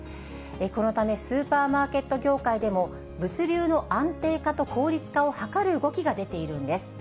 このためスーパーマーケット業界でも、物流の安定化と効率化を図る動きが出ているんです。